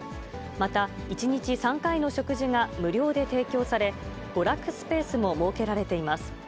また、１日３回の食事が無料で提供され、娯楽スペースも設けられています。